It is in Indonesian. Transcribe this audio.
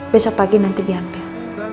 besok pagi nanti diambil